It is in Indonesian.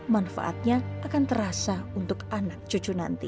manfaatnya akan terasa untuk anak cucu nanti